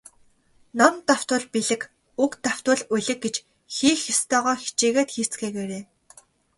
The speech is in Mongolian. Ном давтвал билиг, үг давтвал улиг гэж хийх ёстойгоо хичээгээд хийцгээгээрэй.